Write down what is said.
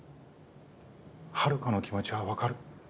ハルカの気持ちは分かる。